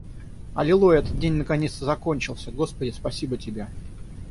Аллилуйя, этот день наконец-то закончился! Господи, спасибо тебе!